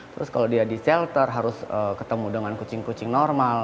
terus kalau dia di shelter harus ketemu dengan kucing kucing normal